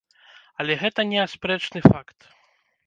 Але гэта неаспрэчны факт.